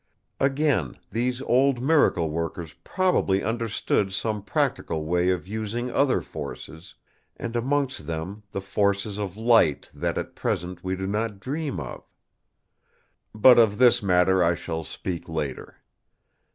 Again, these old miracle workers probably understood some practical way of using other forces, and amongst them the forces of light that at present we do not dream of. But of this matter I shall speak later.